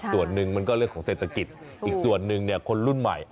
ส่วนหนึ่งมันก็เรื่องของเศรษฐกิจอีกส่วนหนึ่งเนี่ยคนรุ่นใหม่